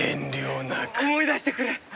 思い出してくれ！